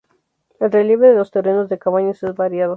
El relieve de los terrenos de Cabañas es variado.